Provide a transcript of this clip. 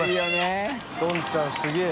どんちゃんすげぇ。）